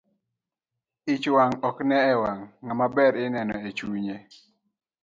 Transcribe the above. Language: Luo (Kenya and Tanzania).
Ich wang' ok ne e wang' ngama ber ineno e chunnye.